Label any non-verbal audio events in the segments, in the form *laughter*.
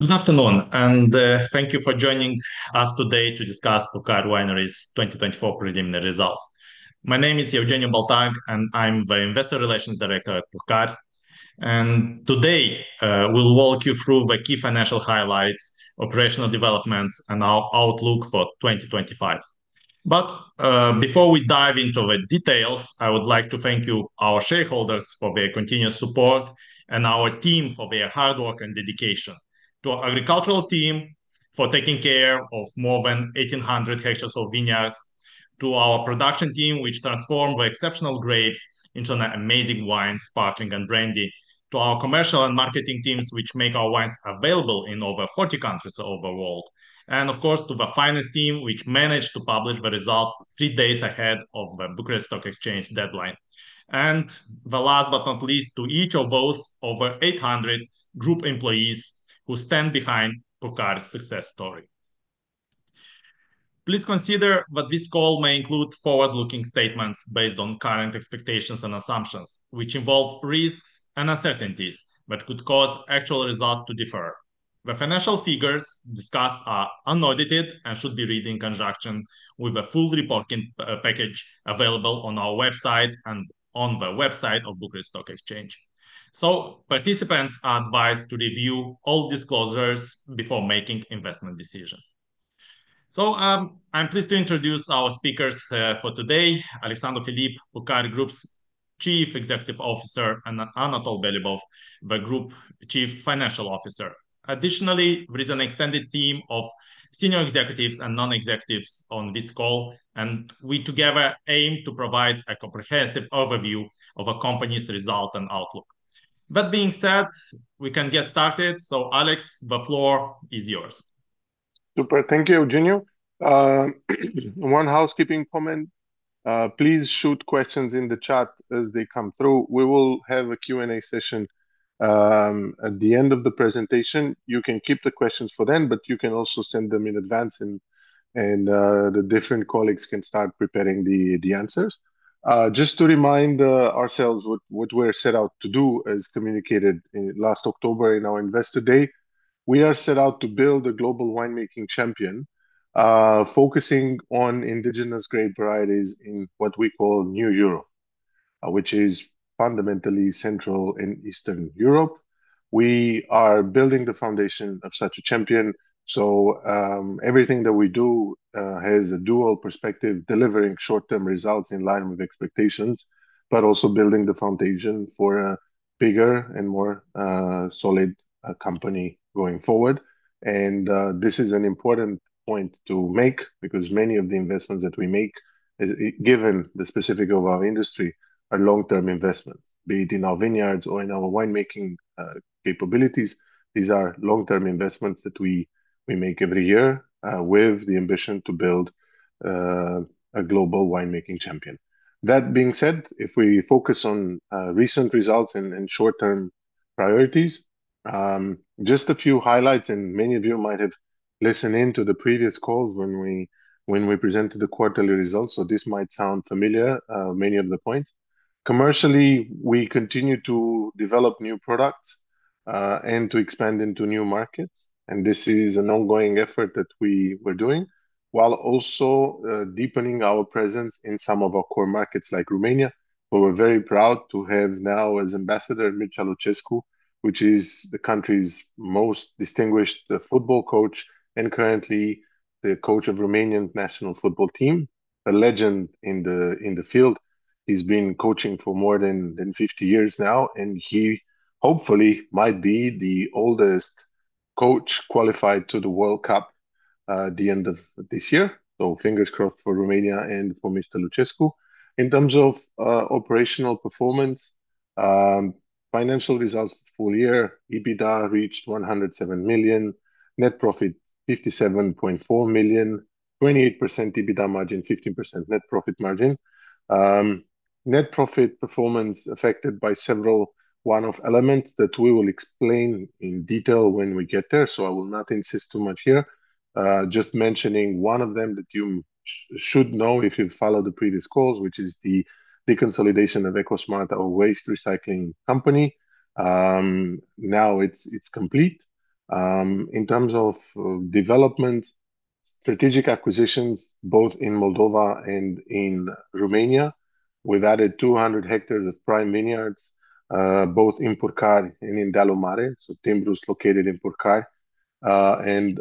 Good afternoon, thank you for joining us today to discuss Purcari Wineries' 2024 preliminary results. My name is Eugeniu Baltag, and I'm the Investor Relations Director at Purcari. Today, we'll walk you through the key financial highlights, operational developments, and our outlook for 2025. Before we dive into the details, I would like to thank you, our shareholders, for their continuous support and our team for their hard work and dedication. To our agricultural team for taking care of more than 1,800 hectares of vineyards, to our production team which transformed the exceptional grapes into an amazing wine, sparkling and brandy, to our commercial and marketing teams, which make our wines available in over 40 countries over the world, and of course, to the finest team which managed to publish the results three days ahead of the Bucharest Stock Exchange deadline. The last but not least, to each of those over 800 group employees who stand behind Purcari's success story. Please consider that this call may include forward-looking statements based on current expectations and assumptions, which involve risks and uncertainties that could cause actual results to differ. The financial figures discussed are unaudited and should be read in conjunction with the full reporting package available on our website and on the website of Bucharest Stock Exchange. Participants are advised to review all disclosures before making investment decision. I'm pleased to introduce our speakers for today, Alexandru Filip, Purcari Group's Chief Executive Officer, and Anatol Belibov, the Group Chief Financial Officer. Additionally, there is an extended team of senior executives and non-executives on this call, and we together aim to provide a comprehensive overview of a company's result and outlook. That being said, we can get started. Alex, the floor is yours. Super. Thank you, Eugeniu. One housekeeping comment. Please shoot questions in the chat as they come through. We will have a Q&A session at the end of the presentation. You can keep the questions for then, you can also send them in advance and the different colleagues can start preparing the answers. Just to remind ourselves what we're set out to do as communicated last October in our Investor Day, we are set out to build a global winemaking champion, focusing on indigenous grape varieties in what we call New Europe, which is fundamentally Central and Eastern Europe. We are building the foundation of such a champion, everything that we do has a dual perspective, delivering short-term results in line with expectations, but also building the foundation for a bigger and more solid company going forward. This is an important point to make because many of the investments that we make, given the specific of our industry, are long-term investments, be it in our vineyards or in our winemaking capabilities. These are long-term investments that we make every year with the ambition to build a global winemaking champion. That being said, if we focus on recent results and short-term priorities, just a few highlights, many of you might have listened in to the previous calls when we presented the quarterly results, so this might sound familiar, many of the points. Commercially, we continue to develop new products and to expand into new markets, this is an ongoing effort that we were doing, while also deepening our presence in some of our core markets like Romania, where we're very proud to have now as ambassador, Mircea Lucescu, which is the country's most distinguished football coach and currently the coach of Romanian national football team, a legend in the field. He's been coaching for more than 50 years now, and he hopefully might be the oldest coach qualified to the World Cup, the end of this year. Fingers crossed for Romania and for Mr. Rădoi. In terms of operational performance, financial results for full year, EBITDA reached RON 107 million, net profit, RON 57.4 million, 28% EBITDA margin, 15% net profit margin. Net profit performance affected by several one-off elements that we will explain in detail when we get there, so I will not insist too much here. Just mentioning one of them that you should know if you followed the previous calls, which is the deconsolidation of EcoSmart, our waste recycling company. Now it's complete. In terms of development, strategic acquisitions, both in Moldova and in Romania. We've added 200 hectares of prime vineyards, both in Purcari and in Dealu Mare. Timbrus located in Purcari, and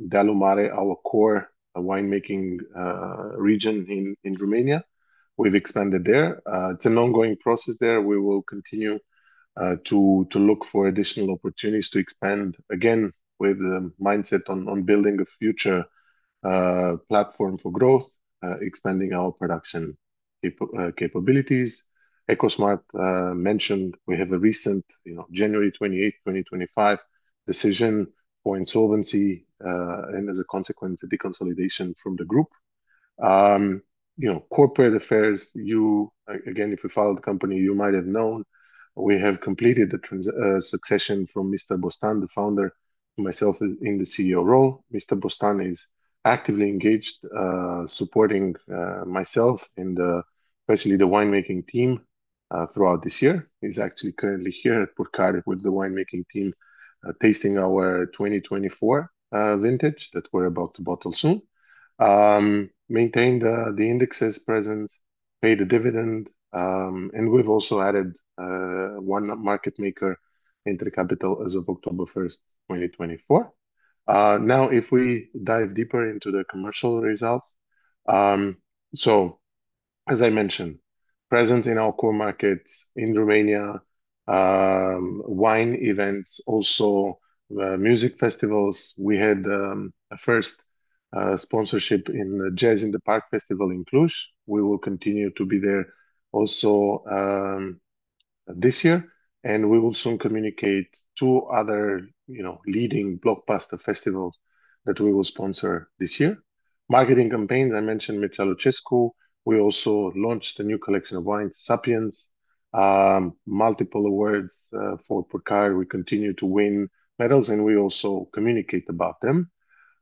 Dealu Mare, our core winemaking region in Romania. We've expanded there. It's an ongoing process there. We will continue to look for additional opportunities to expand, again, with the mindset on building a future platform for growth, expanding our production capabilities. EcoSmart mentioned, we have a recent, you know, January 28, 2025 decision for insolvency, and as a consequence, the deconsolidation from the group. You know, corporate affairs, again, if you follow the company, you might have known we have completed the succession from Mr. Bostan, the founder, myself as in the CEO role. Mr. Bostan is actively engaged supporting myself and especially the winemaking team throughout this year. He's actually currently here at Purcari with the wine-making team tasting our 2024 vintage that we're about to bottle soon. Maintained the index's presence, paid a dividend, and we've also added one market maker into the capital as of October 1st, 2024. Now if we dive deeper into the commercial results. So as I mentioned, present in our core markets in Romania, wine events, also music festivals. We had a first sponsorship in the Jazz in the Park Festival in Cluj. We will continue to be there also this year, and we will soon communicate two other, you know, leading blockbuster festivals that we will sponsor this year. Marketing campaigns, I mentioned Mihai Eminescu. We also launched a new collection of wines, Sapiens. Multiple awards for Purcari. We continue to win medals, we also communicate about them.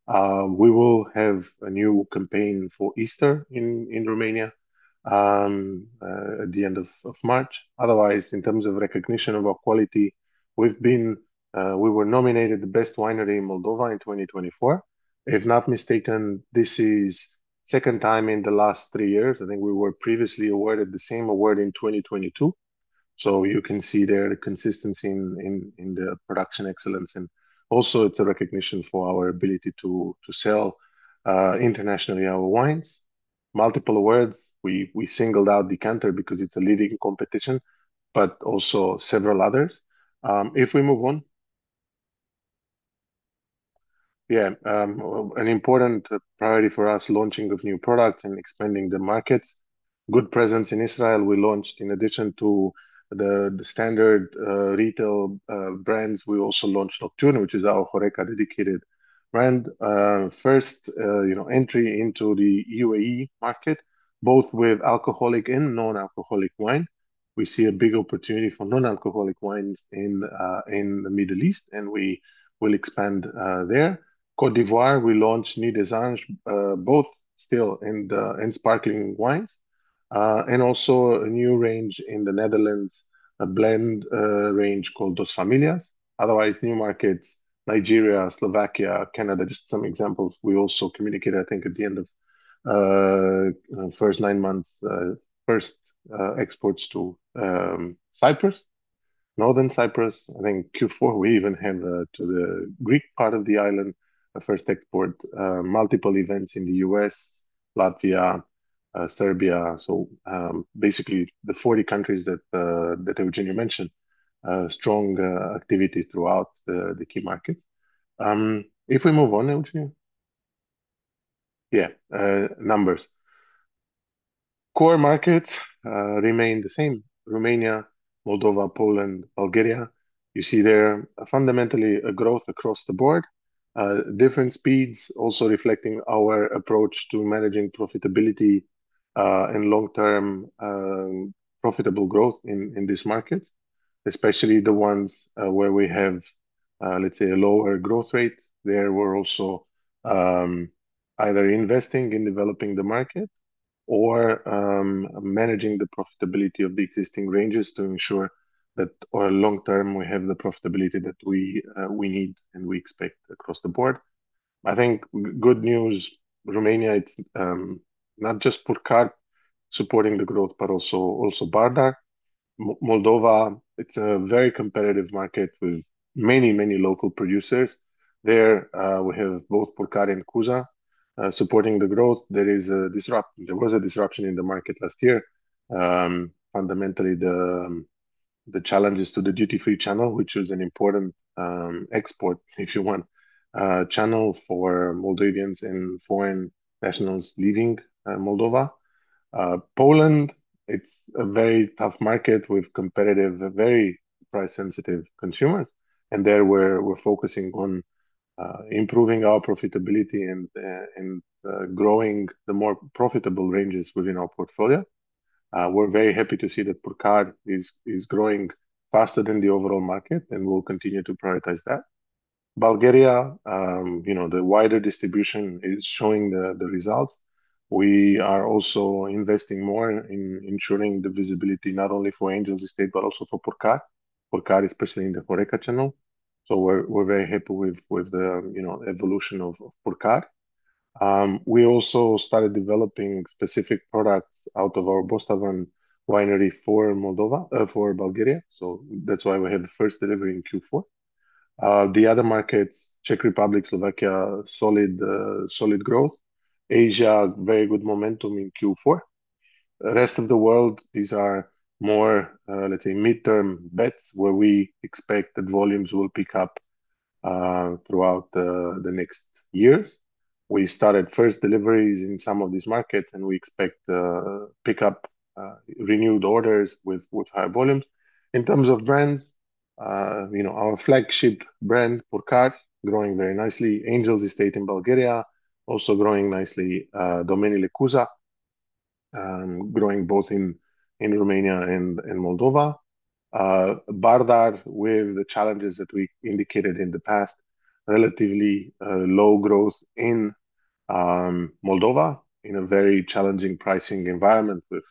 We will have a new campaign for Easter in Romania at the end of March. Otherwise, in terms of recognition of our quality, we were nominated the best winery in Moldova in 2024. If not mistaken, this is second time in the last three years. I think we were previously awarded the same award in 2022. You can see there the consistency in the production excellence, and also it's a recognition for our ability to sell internationally our wines. Multiple awards. We singled out Decanter because it's a leading competition, but also several others. If we move on. Yeah. An important priority for us, launching of new products and expanding the markets. Good presence in Israel. We launched, in addition to the standard retail brands, we also launched Nocturne, which is our HoReCa dedicated brand. First, you know, entry into the UAE market, both with alcoholic and non-alcoholic wine. We see a big opportunity for non-alcoholic wines in the Middle East, and we will expand there. Côte d'Ivoire, we launched Nid des Anges, both still and sparkling wines. And also a new range in the Netherlands, a blend range called Dos Familias. Otherwise, new markets, Nigeria, Slovakia, Canada, just some examples. We also communicated, I think at the end of first nine months, first exports to Cyprus, Northern Cyprus. I think Q4, we even have to the Greek part of the island, the first export. Multiple events in the U.S., Latvia, Serbia. Basically the 40 countries that Eugeniu mentioned. Strong activity throughout the key markets. If we move on, Eugenia. Yeah, numbers. Core markets remain the same. Romania, Moldova, Poland, Bulgaria. You see there fundamentally a growth across the board. Different speeds also reflecting our approach to managing profitability and long-term profitable growth in this market, especially the ones where we have, let's say, a lower growth rate. There we're also either investing in developing the market or managing the profitability of the existing ranges to ensure that for long-term, we have the profitability that we need and we expect across the board. I think good news, Romania, it's not just Purcari supporting the growth, but also Bardar. Moldova, it's a very competitive market with many local producers. There we have both Purcari and Cuza supporting the growth. There was a disruption in the market last year. Fundamentally, the challenges to the duty-free channel, which is an important export, if you want, channel for Moldovans and foreign nationals leaving Moldova. Poland, it's a very tough market with competitive, very price-sensitive consumers. There we're focusing on improving our profitability and growing the more profitable ranges within our portfolio. We're very happy to see that Purcari is growing faster than the overall market, and we'll continue to prioritize that. Bulgaria, you know, the wider distribution is showing the results. We are also investing more in ensuring the visibility not only for Angel's Estate, but also for Purcari. Purcari, especially in the HoReCa channel. We're very happy with the, you know, evolution of Purcari. We also started developing specific products out of our Bostavan winery for Bulgaria, so that's why we had the first delivery in Q4. The other markets, Czech Republic, Slovakia, solid growth. Asia, very good momentum in Q4. The rest of the world, these are more, let's say, midterm bets where we expect that volumes will pick up throughout the next years. We started first deliveries in some of these markets, we expect pick up renewed orders with high volumes. In terms of brands, you know, our flagship brand, Purcari, growing very nicely. Angel's Estate in Bulgaria also growing nicely. Domeniile Cuza, growing both in Romania and in Moldova. Bardar with the challenges that we indicated in the past, relatively low growth in Moldova in a very challenging pricing environment with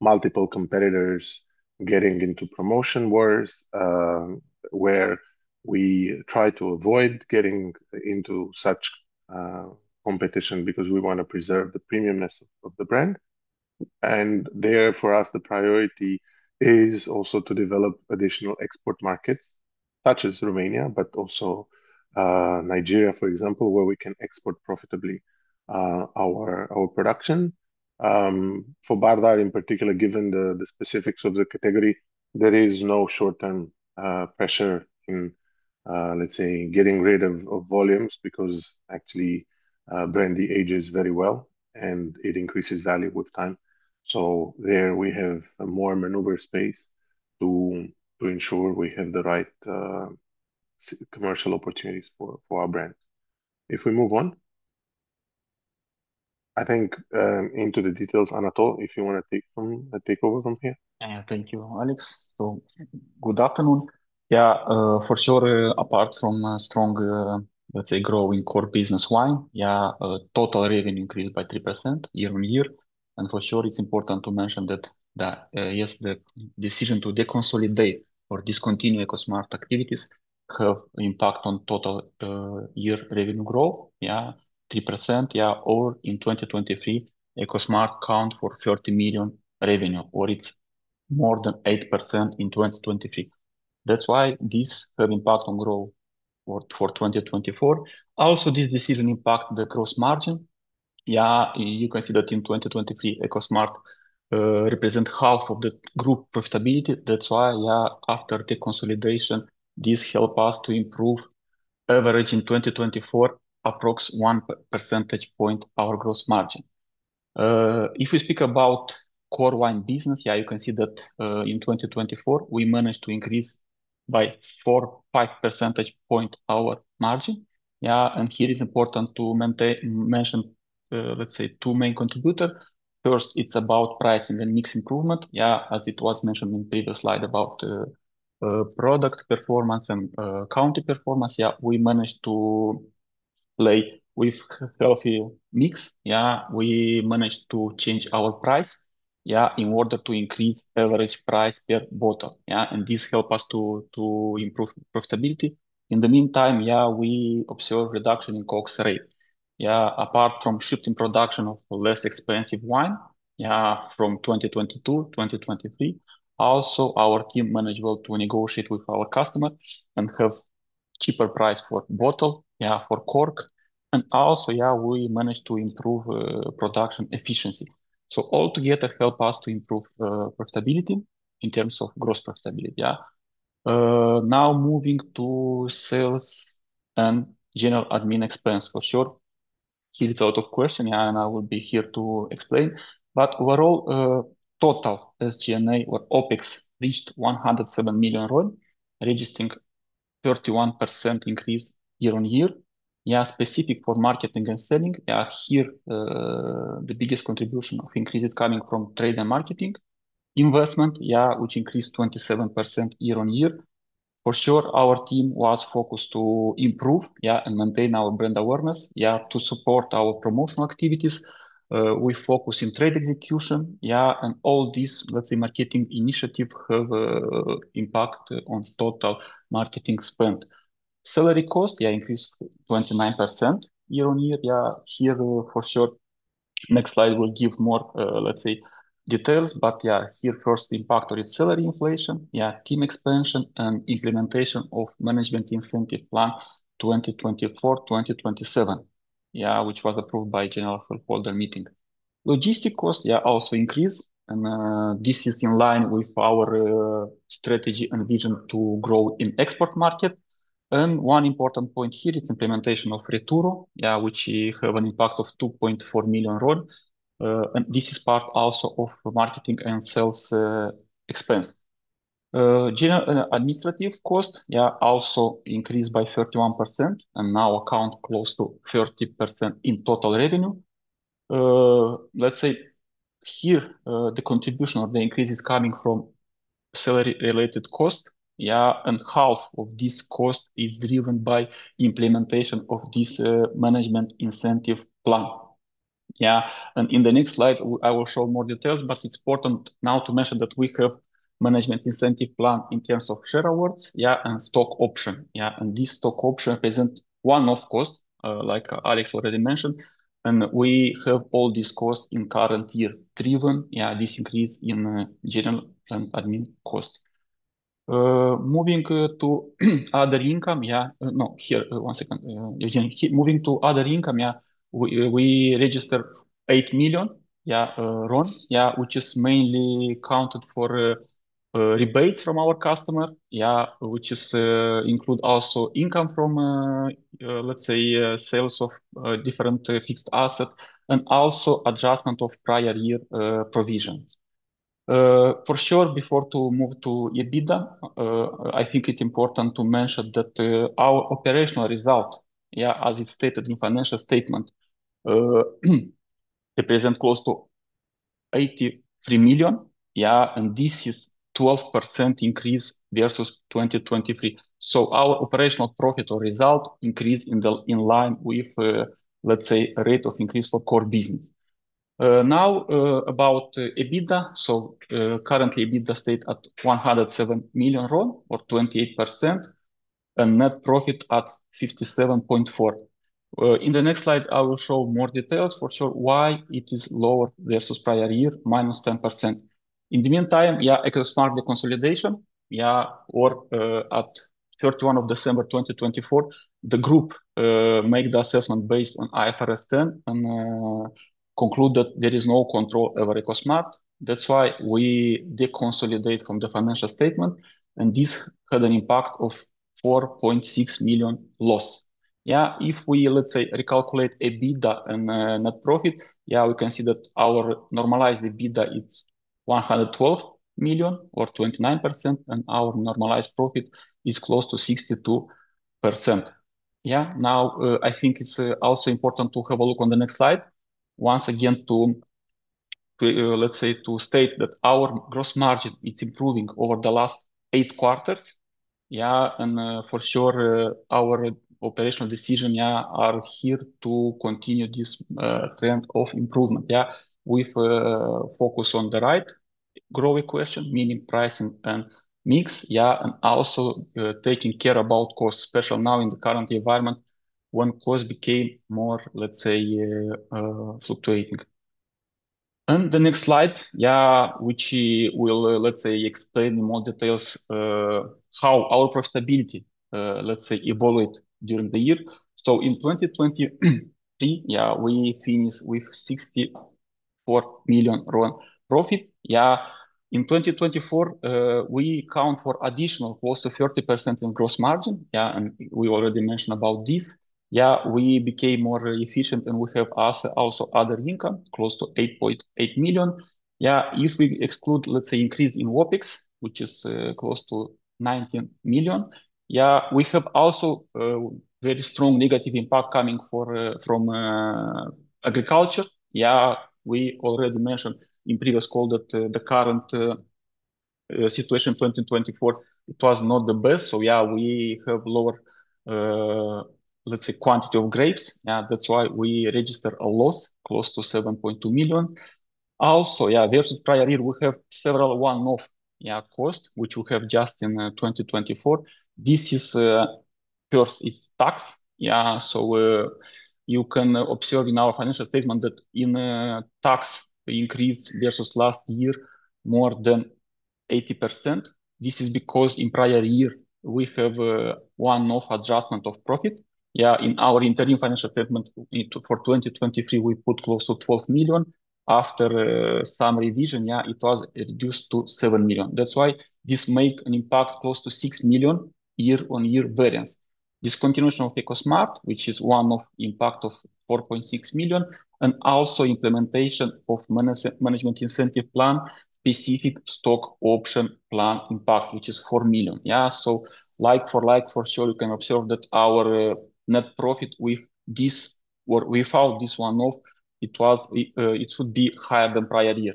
multiple competitors getting into promotion wars, where we try to avoid getting into such competition because we wanna preserve the premium-ness of the brand. There, for us, the priority is also to develop additional export markets such as Romania but also Nigeria, for example, where we can export profitably our production. For Bardar in particular, given the specifics of the category, there is no short-term pressure in, let's say, getting rid of volumes because actually, brandy ages very well, and it increases value with time. There we have more maneuver space to ensure we have the right commercial opportunities for our brands. If we move on. I think, into the details, Anatol, if you wanna take over from here. Thank you, Alex. Good afternoon. For sure, apart from a strong, let's say, growing core business wine, total revenue increased by 3% year-on-year. For sure, it's important to mention that the decision to deconsolidate or discontinue EcoSmart activities have impact on total year revenue growth. 3%. Or in 2023, EcoSmart account for RON 30 million revenue, or it's more than 8% in 2023. That's why this had impact on growth for 2024. Also, this decision impact the gross margin. You can see that in 2023, EcoSmart represent half of the group profitability. That's why, after the consolidation, this help us to improve average in 2024, approx 1 percentage point our gross margin. If we speak about core wine business, you can see that in 2024, we managed to increase by 4-5 percentage points our margin. Here is important to mention, let's say, two main contributor. First, it's about pricing and mix improvement. As it was mentioned in previous slide about product performance and county performance. We managed to play with healthy mix. We managed to change our price in order to increase average price per bottle. This help us to improve profitability. In the meantime, we observe reduction in COGS rate. Apart from shifting production of less expensive wine from 2022, 2023. Also, our team managed well to negotiate with our customer and have cheaper price for bottle, for cork. We managed to improve production efficiency. All together help us to improve profitability in terms of gross profitability. Now moving to sales and general admin expense, for sure. Here is out of question, and I will be here to explain. Overall, total SG&A or OpEx reached RON 107 million, registering 31% increase year-over-year. Specific for marketing and selling, here, the biggest contribution of increase is coming from trade and marketing. Investment, which increased 27% year-over-year. For sure, our team was focused to improve and maintain our brand awareness to support our promotional activities. We focus in trade execution. All this, let's say, marketing initiative have a impact on total marketing spend. Salary cost increased 29% year-over-year. Here, for sure, next slide will give more, let's say, details. Yeah, here first impact on it, salary inflation, yeah, team expansion and implementation of management incentive plan 2024-2027, yeah, which was approved by General Shareholder Meeting. Logistic cost, yeah, also increased. This is in line with our strategy and vision to grow in export market. One important point here is implementation of RetuRO, yeah, which have an impact of RON 2.4 million. This is part also of marketing and sales expense. General and administrative cost, yeah, also increased by 31% and now account close to 30% in total revenue. Here, let's say, the contribution of the increase is coming from salary-related cost. Yeah. Half of this cost is driven by implementation of this management incentive plan. Yeah. In the next slide, I will show more details, but it's important now to mention that we have management incentive plan in terms of share awards and stock option. This stock option present one-off cost, like Alex already mentioned. We have all this cost in current year driven this increase in general admin cost. Moving to other income. No. Here, one second. Moving to other income, we register RON 8 million, which is mainly counted for rebates from our customer. Which is include also income from, let's say, sales of different fixed asset, and also adjustment of prior year provisions. For sure, before to move to EBITDA, I think it's important to mention that our operational result, yeah, as is stated in financial statement, Represent close to RON 83 million. Yeah, this is 12% increase versus 2023. Our operational profit or result increased in line with, let's say, rate of increase for core business. Now, about EBITDA. Currently EBITDA state at RON 107 million or 28% and net profit at RON 57.4. In the next slide, I will show more details for sure why it is lower versus prior year, minus 10%. In the meantime, yeah, EcoSmart consolidation. Yeah, at 31 of December 2024, the Group made the assessment based on IFRS term and concluded there is no control over EcoSmart. That's why we deconsolidate from the financial statement, and this had an impact of RON 4.6 million loss. If we, let's say, recalculate EBITDA and net profit, we can see that our normalized EBITDA, it's RON 112 million or 29%, and our normalized profit is close to 62%. I think it's also important to have a look on the next slide. Once again to, let's say, to state that our gross margin, it's improving over the last eight quarters. For sure, our operational decision are here to continue this trend of improvement. With focus on the right growth equation, meaning price and mix, and also taking care about cost, especially now in the current environment when cost became more, let's say, fluctuating. The next slide, which will, let's say, explain in more details how our profitability, let's say, evolved during the year. In 2023, we finished with RON 64 million profit. In 2024, we count for additional close to 30% in gross margin, and we already mentioned about this. We became more efficient, and we have also other income, close to RON 8.8 million. If we exclude, let's say, increase in OpEx, which is close to RON 19 million. We have also very strong negative impact coming from agriculture. We already mentioned in previous call that the current situation in 2024, it was not the best. We have lower, let's say, quantity of grapes. Yeah, that's why we registered a loss close to RON 7.2 million. Yeah, versus prior year, we have several one-off cost, which we have just in 2024. This is, first, it's tax. Yeah, you can observe in our financial statement that in tax increase versus last year, more than 80%. This is because in prior year, we have one-off adjustment of profit. Yeah, in our interim financial statement for 2023, we put close to RON 12 million. After some revision, yeah, it was reduced to RON 7 million. That's why this make an impact close to RON 6 million year-on-year variance. This continuation of EcoSmart, which is one of impact of RON 4.6 million, implementation of management incentive plan, specific stock option plan impact, which is RON 4 million. Like for like, for sure, you can observe that our net profit without this one-off, it was, it should be higher than prior year.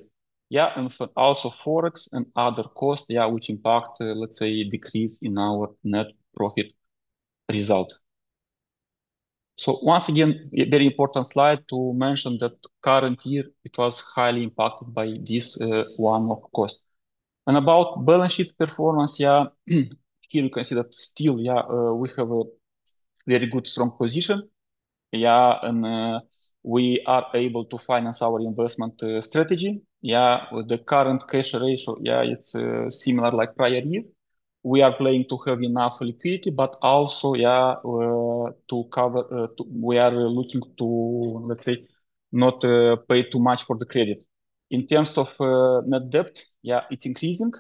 For also Forex and other costs, which impact, let's say, decrease in our net profit result. Once again, a very important slide to mention that current year, it was highly impacted by this one-off cost. About balance sheet performance, here you can see that still, we have a very good, strong position. We are able to finance our investment strategy. With the current cash ratio, it's similar like prior year. We are planning to have enough liquidity, but also, to cover, we are looking to, let's say, not pay too much for the credit. In terms of net debt, yeah, it's increasing.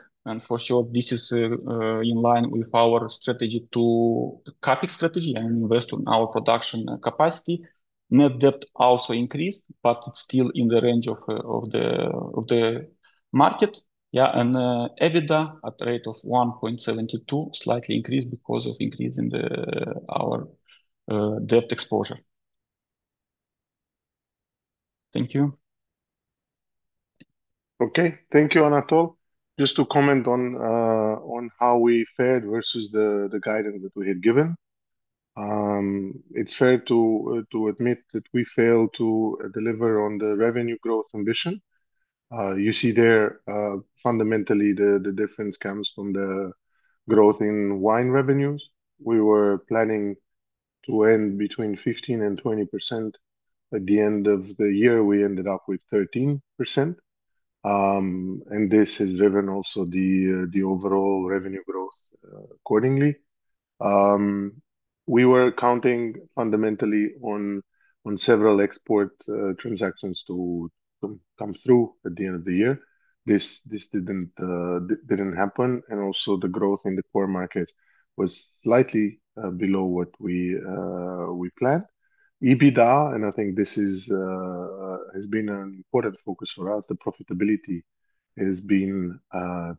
For sure, this is in line with our strategy to CapEx strategy and invest on our production capacity. Net debt also increased, but it's still in the range of the market. Yeah, EBITDA at rate of 1.72, slightly increased because of increase in our debt exposure. Thank you. Okay. Thank you, Anatol. Just to comment on how we fared versus the guidance that we had given. It's fair to admit that we failed to deliver on the revenue growth ambition. You see there, fundamentally the difference comes from the growth in wine revenues. We were planning to end between 15% and 20%. At the end of the year, we ended up with 13%. This has driven also the overall revenue growth accordingly. We were counting fundamentally on several export transactions to come through at the end of the year. This didn't happen, also the growth in the core markets was slightly below what we planned. EBITDA, I think this has been an important focus for us, the profitability has been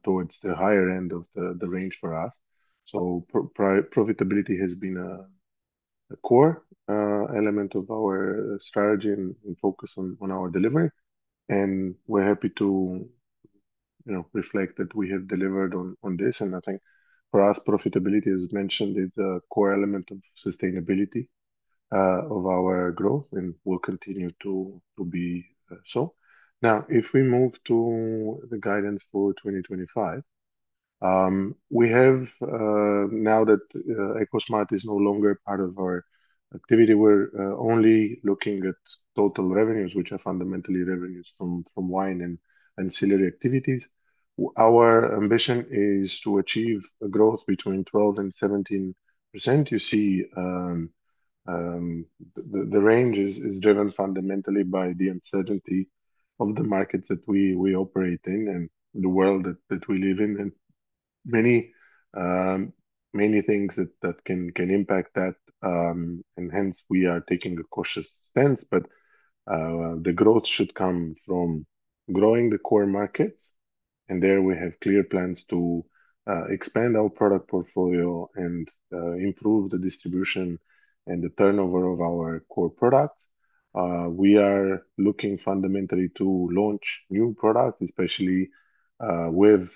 towards the higher end of the range for us. Profitability has been the core element of our strategy and focus on our delivery, we're happy to, you know, reflect that we have delivered on this. I think for us, profitability, as mentioned, is a core element of sustainability of our growth and will continue to be so. Now, if we move to the guidance for 2025, we have now that EcoSmart is no longer a part of our activity, we're only looking at total revenues, which are fundamentally revenues from wine and ancillary activities. Our ambition is to achieve a growth between 12% and 17%. You see, the range is driven fundamentally by the uncertainty of the markets that we operate in and the world that we live in. Many things that can impact that, and hence we are taking a cautious stance. The growth should come from growing the core markets, and there we have clear plans to expand our product portfolio and improve the distribution and the turnover of our core products. We are looking fundamentally to launch new products, especially with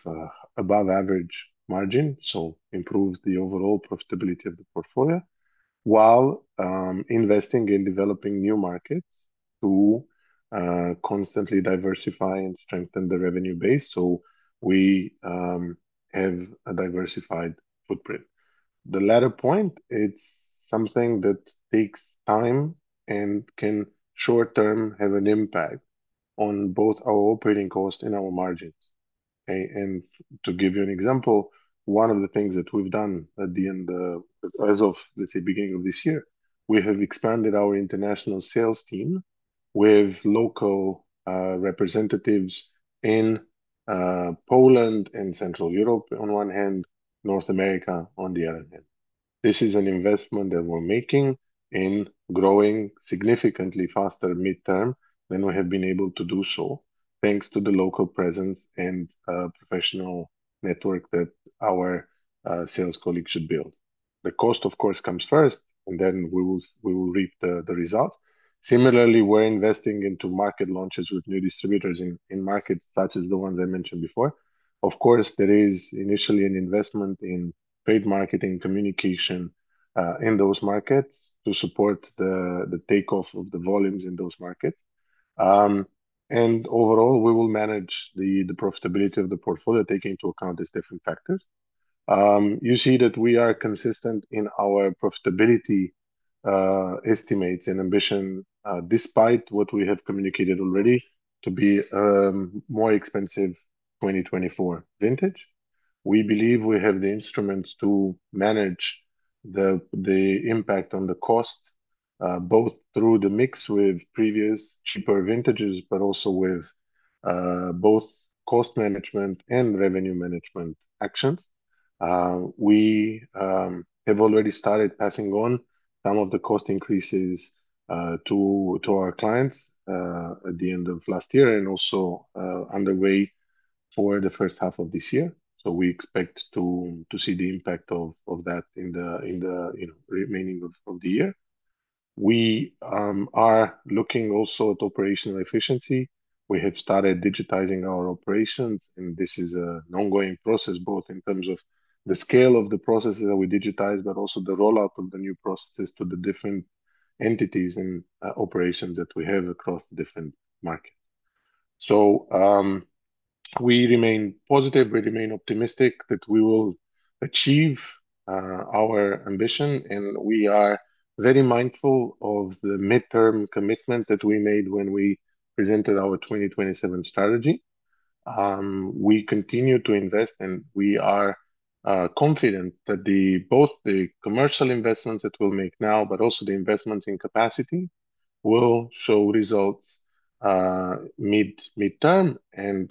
above average margin, so improves the overall profitability of the portfolio, while investing in developing new markets to constantly diversify and strengthen the revenue base so we have a diversified footprint. The latter point, it's something that takes time and can short-term have an impact on both our operating cost and our margins. To give you an example, one of the things that we've done at the end of, as of, let's say, beginning of this year, we have expanded our international sales team with local representatives in Poland and Central Europe on one hand, North America on the other hand. This is an investment that we're making in growing significantly faster midterm than we have been able to do so thanks to the local presence and professional network that our sales colleagues should build. The cost, of course, comes first, then we will reap the results. Similarly, we're investing into market launches with new distributors in markets such as the ones I mentioned before. Of course, there is initially an investment in paid marketing communication in those markets to support the takeoff of the volumes in those markets. Overall, we will manage the profitability of the portfolio, taking into account these different factors. You see that we are consistent in our profitability estimates and ambition despite what we have communicated already to be more expensive 2024 vintage. We believe we have the instruments to manage the impact on the cost, both through the mix with previous cheaper vintages, but also with both cost management and revenue management actions. We have already started passing on some of the cost increases to our clients at the end of last year and also underway for the first half of this year. We expect to see the impact of that in the, in the, you know, remaining of the year. We are looking also at operational efficiency. We have started digitizing our operations, and this is an ongoing process, both in terms of the scale of the processes that we digitize, but also the rollout of the new processes to the different entities and operations that we have across the different markets. We remain positive. We remain optimistic that we will achieve our ambition, and we are very mindful of the midterm commitments that we made when we presented our 2027 strategy. We continue to invest, and we are confident that the, both the commercial investments that we'll make now, but also the investment in capacity, will show results midterm.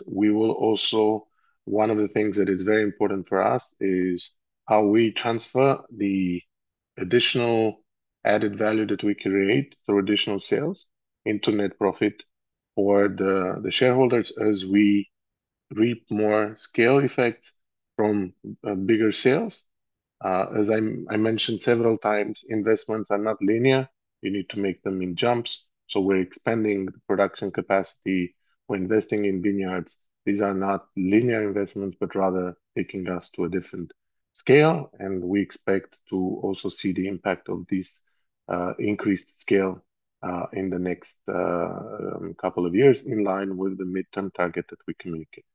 We will also. One of the things that is very important for us is how we transfer the additional added value that we create through additional sales into net profit for the shareholders as we reap more scale effects from bigger sales. As I mentioned several times, investments are not linear. You need to make them in jumps. We're expanding production capacity. We're investing in vineyards. These are not linear investments, but rather taking us to a different scale, and we expect to also see the impact of this increased scale in the next couple of years in line with the midterm target that we communicate.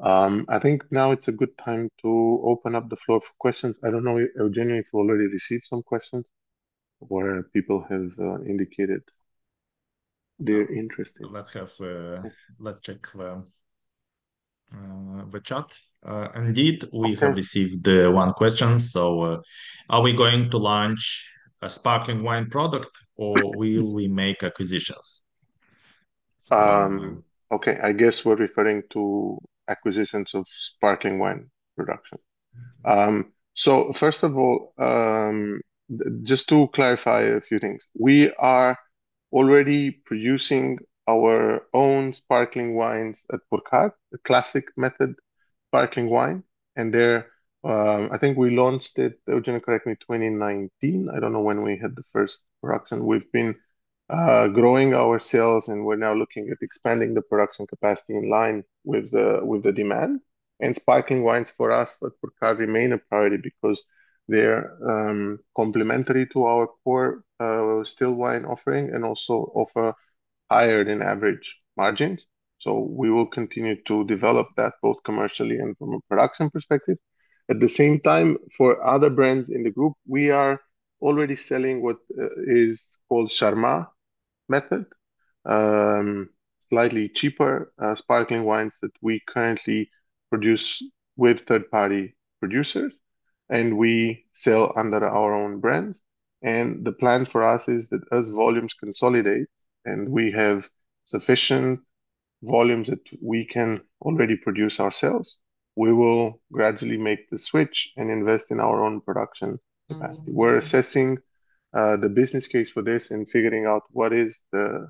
I think now it's a good time to open up the floor for questions. I don't know, Eugeniu, if you already received some questions where people have indicated they're interested. Let's check the chat. We have received one question. Are we going to launch a sparkling wine or will we make acquisitions? Okay. I guess we're referring to acquisitions of sparkling wine production. First of all, just to clarify a few things, we are already producing our own sparkling wines at Purcari, the classic method sparkling wine and they're... I think we launched it, Eugeniu, correct me, 2019. I don't know when we had the first production. We've been growing our sales and we're now looking at expanding the production capacity in line with the, with the demand, and sparkling wines for us at Purcari remain a priority because they're complementary to our core still wine offering and also offer higher than average margins. We will continue to develop that both commercially and from a production perspective. At the same time, for other brands in the group, we are already selling what is called Charmat method. slightly cheaper sparkling wines that we currently produce with third-party producers and we sell under our own brands. The plan for us is that as volumes consolidate and we have sufficient volumes that we can already produce ourselves, we will gradually make the switch and invest in our own production capacity. We're assessing the business case for this and figuring out what is the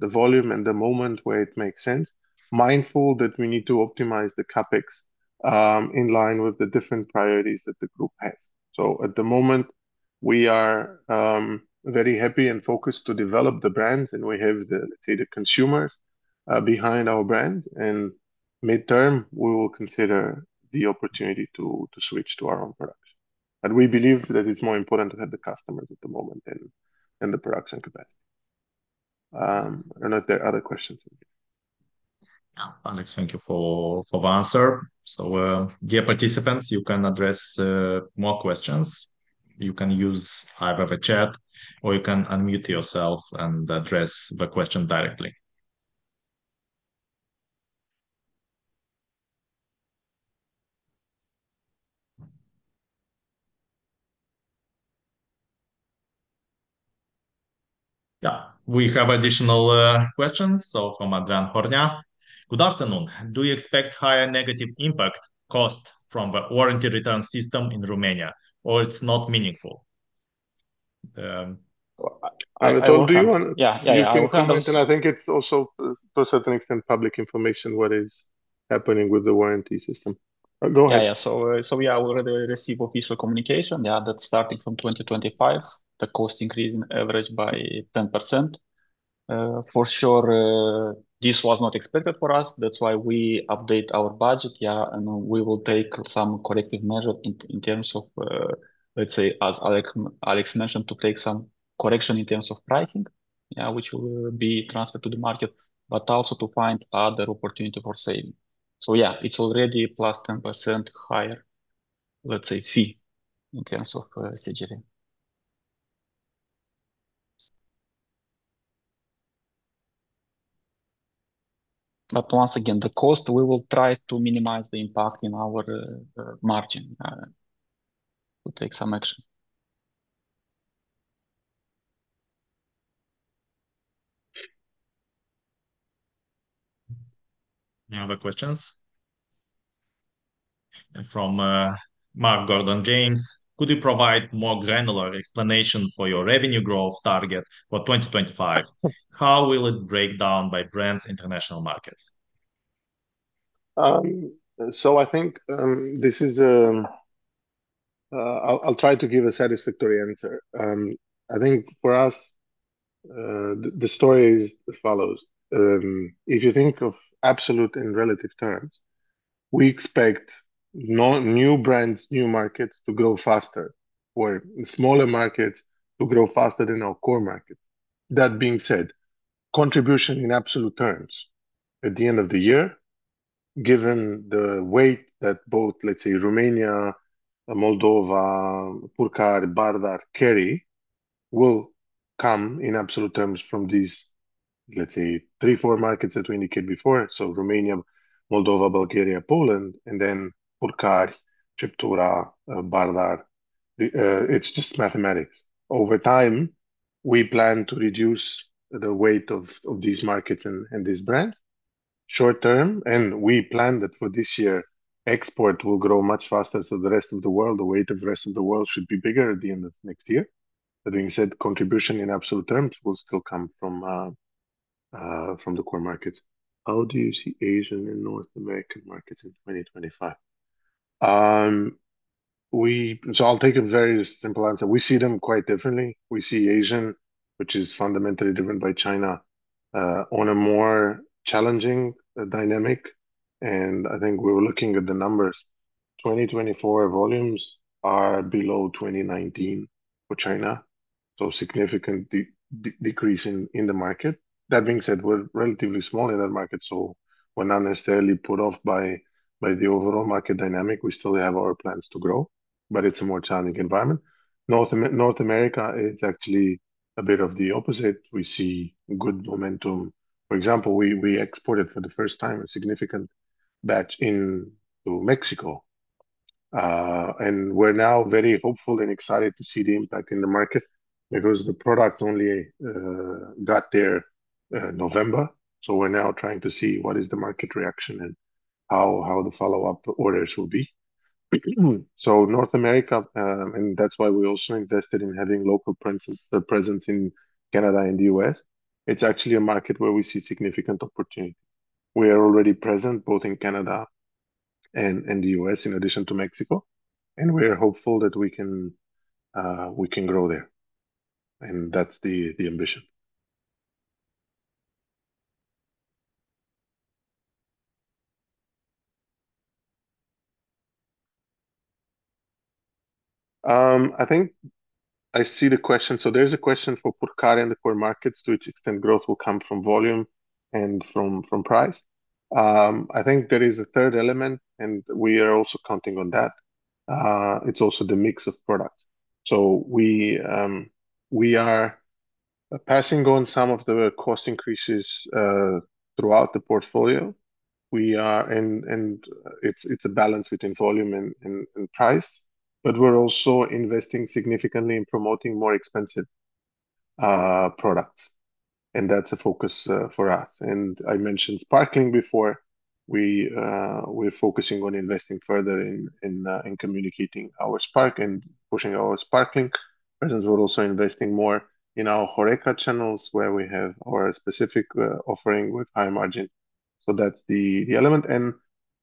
volume and the moment where it makes sense, mindful that we need to optimize the CapEx in line with the different priorities that the group has. At the moment, we are very happy and focused to develop the brands, and we have the, let's say, the consumers behind our brands. Midterm, we will consider the opportunity to switch to our own production, but we believe that it's more important to have the customers at the moment than the production capacity. I don't know if there are other questions. Alex, thank you for answer. Dear participants, you can address more questions. You can use either the chat or you can unmute yourself and address the question directly. Yeah, we have additional questions. From Adrian Hornia: "Good afternoon. Do you expect higher negative impact cost from the warranty return system in Romania, or it's not meaningful? Anatol, do you wanna- Yeah, yeah. You can comment, and I think it's also, to a certain extent, public information what is happening with the warranty system. Go ahead. Yeah, yeah. We already receive official communication that starting from 2025, the cost increase in average by 10%. For sure, this was not expected for us. That's why we update our budget and we will take some corrective measure in terms of, let's say as Alex mentioned, to take some correction in terms of pricing, which will be transferred to the market, but also to find other opportunity for saving. It's already plus 10% higher, let's say, fee in terms of SGR. Once again, the cost, we will try to minimize the impact in our margin. We'll take some action. Any other questions? From Mark Gordon-James: "Could you provide more granular explanation for your revenue growth target for 2025? How will it break down by brands/international markets? I'll try to give a satisfactory answer. I think for us, the story is as follows. If you think of absolute and relative terms, we expect no new brands, new markets to grow faster, or smaller markets to grow faster than our core markets. That being said, contribution in absolute terms at the end of the year, given the weight that both, let's say Romania, Moldova, Purcari, Bardar, Crama Ceptura will come in absolute terms from these, let's say, three, four markets that we indicated before. Romania, Moldova, Bulgaria, Poland, and then Purcari, Crama Ceptura, Bardar. It's just mathematics. Over time, we plan to reduce the weight of these markets and these brands short term, and we plan that for this year export will grow much faster. The rest of the world, the weight of the rest of the world should be bigger at the end of next year. That being said, contribution in absolute terms will still come from the core markets. How do you see Asian and North American markets in 2025? I'll take a very simple answer. We see them quite differently. We see Asian, which is fundamentally different by China, on a more challenging dynamic, and I think we were looking at the numbers. 2024 volumes are below 2019 for China, significant decrease in the market. That being said, we're relatively small in that market, we're not necessarily put off by the overall market dynamic. We still have our plans to grow, it's a more challenging environment. North America, it's actually a bit of the opposite. We see good momentum. For example, we exported for the first time a significant batch into Mexico. We're now very hopeful and excited to see the impact in the market because the products only got there November. We're now trying to see what is the market reaction and how the follow-up orders will be. North America, that's why we also invested in having local presence in Canada and U.S. It's actually a market where we see significant opportunity. We are already present both in Canada and the U.S., in addition to Mexico, we are hopeful that we can grow there, and that's the ambition. I think I see the question. There's a question for Purcari and the core markets, to which extent growth will come from volume and from price. I think there is a third element, we are also counting on that. It's also the mix of products. We are passing on some of the cost increases throughout the portfolio. And it's a balance between volume and price, but we're also investing significantly in promoting more expensive products, and that's a focus for us. I mentioned sparkling before. We're focusing on investing further in communicating our spark and pushing our sparkling presence. We're also investing more in our HoReCa channels where we have our specific offering with high margin. That's the element.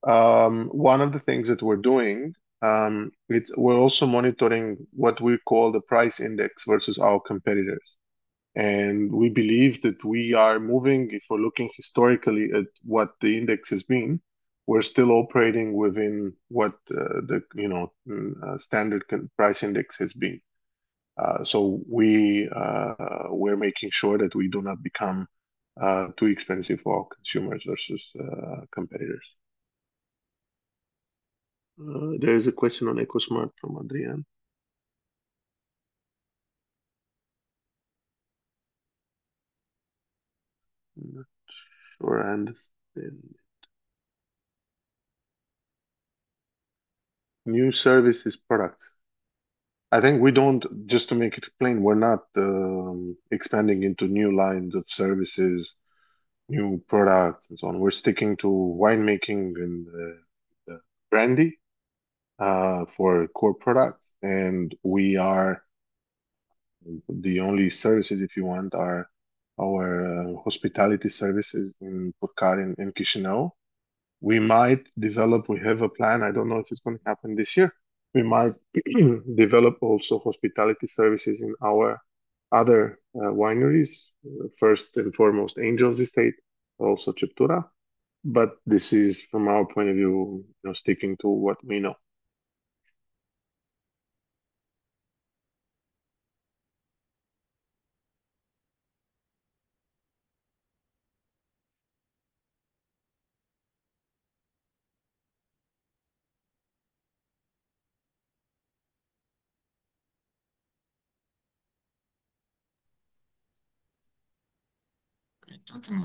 One of the things that we're doing, we're also monitoring what we call the price index versus our competitors and we believe that we are moving, if we're looking historically at what the index has been, we're still operating within what the standard price index has been. We're making sure that we do not become too expensive for our consumers versus competitors. There is a question on EcoSmart from Adrian. I'm not sure I understand it. New services products. Just to make it plain, we're not expanding into new lines of services, new products and so on. We're sticking to wine-making and brandy for core products, and we are. The only services, if you want, are our hospitality services in Purcari and in Chișinău. We might develop, we have a plan, I don't know if it's gonna happen this year, we might develop also hospitality services in our other wineries, first and foremost Angel's Estate, also Crama. This is, from our point of view, you know, sticking to what we know. I don't know.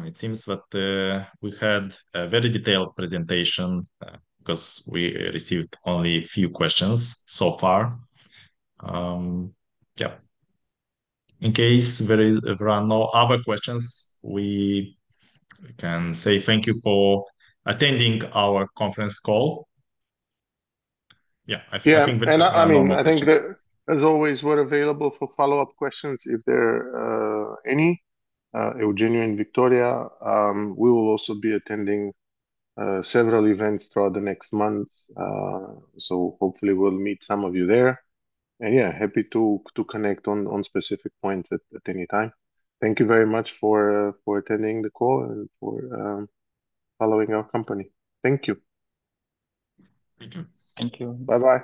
It seems that we had a very detailed presentation, 'cause we received only a few questions so far. Yeah. In case there are no other questions, we can say thank you for attending our conference call. Yeah. Yeah. I think *crosstalk* As always, we're available for follow-up questions if there are any, Eugeniu and Victoria. We will also be attending several events throughout the next months, hopefully we'll meet some of you there. Yeah, happy to connect on specific points at any time. Thank you very much for attending the call and for following our company. Thank you. Thank you. Thank you. Bye-bye.